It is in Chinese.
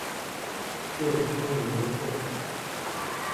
建中年间废。